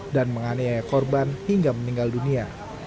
dan menganiaya korban hingga meninggal dunia